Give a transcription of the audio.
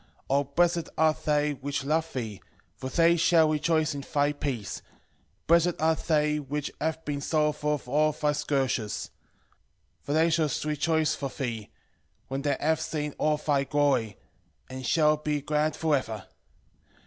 13:14 O blessed are they which love thee, for they shall rejoice in thy peace: blessed are they which have been sorrowful for all thy scourges; for they shall rejoice for thee, when they have seen all thy glory, and shall be glad for ever.